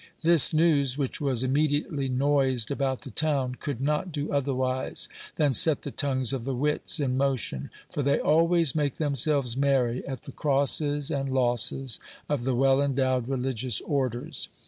This news, which was immediately noised about the town, could not do otherwise than set the tongues of the wits in motion ; for they always make themselves merry at the crosses and losses of the well endowed religious orders.